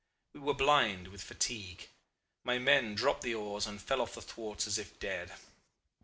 We were blind with fatigue. My men dropped the oars and fell off the thwarts as if dead.